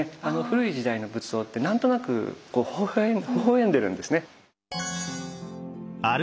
古い時代の仏像って何となくほほ笑んでるんですね。